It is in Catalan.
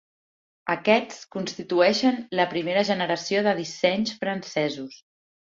Aquests constitueixen la primera generació de dissenys francesos.